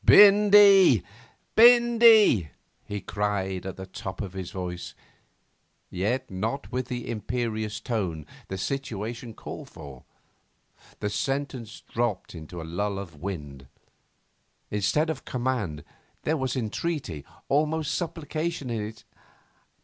'Bindy, Bindy!' he cried, at the top of his voice, yet not with the imperious tone the situation called for. The sentence dropped into a lull of wind. Instead of command there was entreaty, almost supplication, in it.